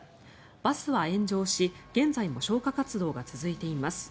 バスは炎上し現在も消火活動が続いています。